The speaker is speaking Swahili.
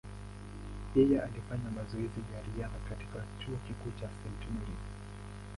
Yeye alifanya mazoezi ya riadha katika chuo kikuu cha St. Mary’s.